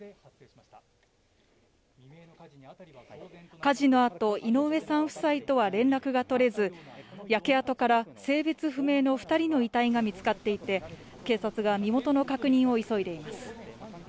火事のあと、井上さん夫妻とは連絡が取れず焼け跡から性別不明の２人の遺体が見つかっていて警察が身元の確認を急いでいます。